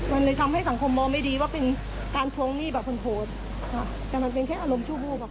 แต่มันเป็นแค่อารมณ์ชู่บูบ